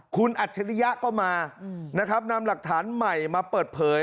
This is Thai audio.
คุณอัจฉริยะก็มานะครับนำหลักฐานใหม่มาเปิดเผย